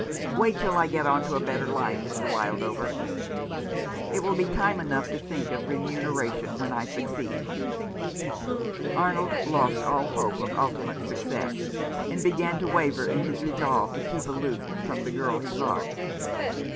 Wait till I get on to a better line, Mr. Wildover. It will be time enough to think of remuneration when I have succeeded." Arnold lost all hope of ultimate success, and began to waver in his resolve to keep aloof from the girl he loved.